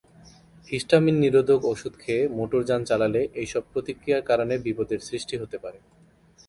Histamine নিরোধক ঔষধ খেয়ে মোটরযান চালালে এইসব প্রতিক্রিয়ার কারণে বিপদের সৃষ্টি হতে পারে।